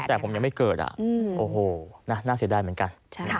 แต่ผมยังไม่เกิดโอ้โหน่าเสียดายเหมือนกัน